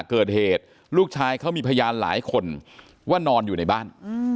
เกิดเหตุลูกชายเขามีพยานหลายคนว่านอนอยู่ในบ้าน